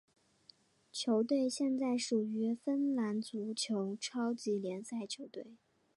球队现在属于芬兰足球超级联赛球队。